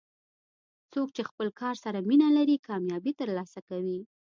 څوک چې خپل کار سره مینه لري، کامیابي ترلاسه کوي.